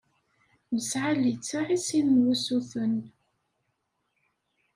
Nesɛa littseɛ i sin n wusuten.